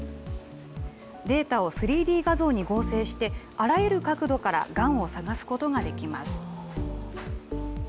データを３Ｄ画像に合成して、あらゆる角度からがんを探すことができます。